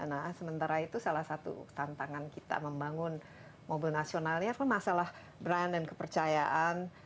nah sementara itu salah satu tantangan kita membangun mobil nasional ini adalah masalah brand dan kepercayaan